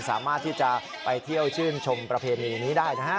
สามารถที่จะไปเที่ยวชื่นชมประเพณีนี้ได้นะฮะ